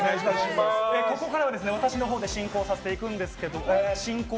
ここからは私のほうで進行をさせてもらうんですけども。